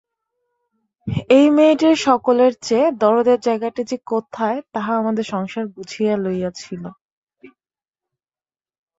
এই মেয়েটির সকলের চেয়ে দরদের জায়গাটি যে কোথায় তাহা আমাদের সংসার বুঝিয়া লইয়াছিল।